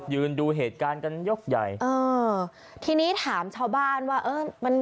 ยืนดูเหตุการณ์กันยกใหญ่เออทีนี้ถามชาวบ้านว่าเออมัน